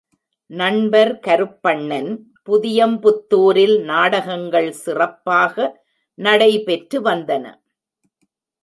நண்பர் கருப்பண்ணன் புதியம்புத்துரரில் நாடகங்கள் சிறப்பாக நடைபெற்று வந்தன.